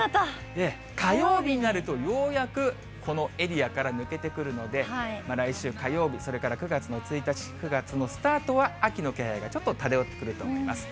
火曜日になると、ようやくこのエリアから抜けてくるので、来週火曜日、それから９月の１日、９月のスタートは秋の気配がちょっと漂ってくると思います。